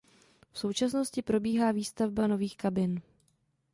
V současnosti probíhá výstavba nových kabin.